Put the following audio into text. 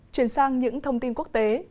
chuyển sang những thông tin quốc tế